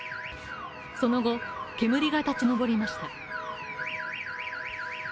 その後、煙が立ち上りました。